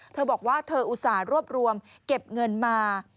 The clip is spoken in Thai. เธอบอกว่าเธออุตส่าห์รวบรวมเก็บเงินมา